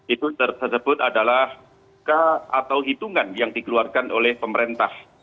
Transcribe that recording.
itu tersebut adalah hitungan yang dikeluarkan oleh pemerintah